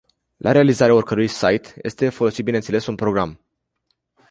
La realizarea oricărui sait este folosit bineînțeles un program.